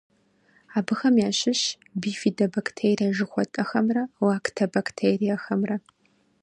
Абыхэм ящыщщ бифидобактерие жыхуэтӏэхэмрэ лактобактериехэмрэ.